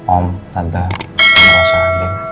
om tante bapak sahabin